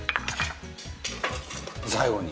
最後に。